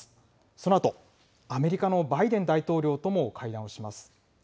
そのあとアメリカのバイデン大統領とも会談をします。